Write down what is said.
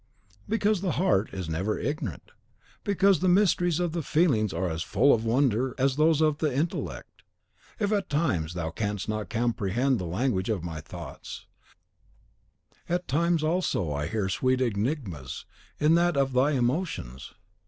"Because the heart is never ignorant; because the mysteries of the feelings are as full of wonder as those of the intellect. If at times thou canst not comprehend the language of my thoughts, at times also I hear sweet enigmas in that of thy emotions."